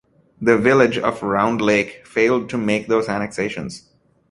The village of Round Lake failed to make those annexations.